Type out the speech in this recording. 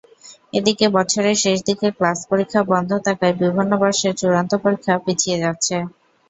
এদিকে বছরের শেষ দিকে ক্লাস-পরীক্ষা বন্ধ থাকায় বিভিন্ন বর্ষের চূড়ান্ত পরীক্ষা পিছিয়ে যাচ্ছে।